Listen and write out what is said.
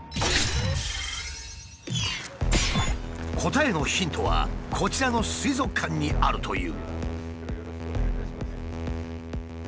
答えのヒントはこちらの水族館にあるという。